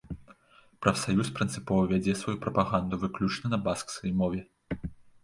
Прафсаюз прынцыпова вядзе сваю прапаганду выключна на баскскай мове.